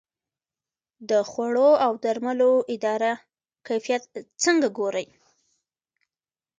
د خوړو او درملو اداره کیفیت څنګه ګوري؟